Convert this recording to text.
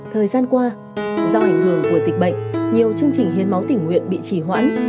thời gian qua do ảnh hưởng của dịch bệnh nhiều chương trình hiến máu tỉnh nguyện bị trì hoãn